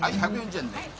１４０円ね。